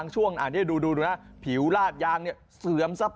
ช่วงอย่าดูดูนะภิวราษยางเนี่ยเสื่อมสภาพครับ